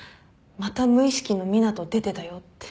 また無意識の湊斗出てたよって。